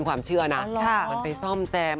ความเชื่อนะมันไปซ่อมแซม